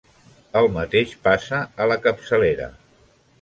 El mateix passa a la capçalera.